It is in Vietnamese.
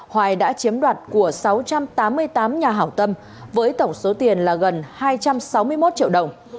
hoài đã chiếm đoạt của sáu trăm tám mươi tám nhà hảo tâm với tổng số tiền là gần hai trăm sáu mươi một triệu đồng